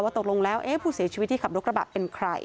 ตกลงแล้วผู้เสียชีวิตที่ขับรถกระบะเป็นใคร